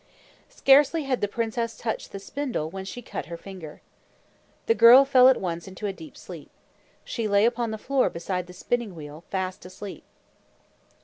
Scarcely had the princess touched the spindle when she cut her finger. The girl fell at once into a deep sleep. She lay upon the floor beside the spinning wheel, fast asleep.